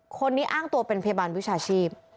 คนนี้อ้างตัวเป็นพยาบาลวิชาชีพ